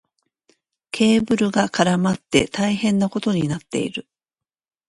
ケーブルが絡まって大変なことになっている。